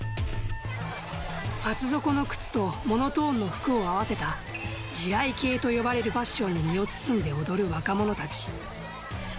厚底の靴とモノトーンの服を合わせた、地雷系と呼ばれるファッションに身を包み踊る若者たち。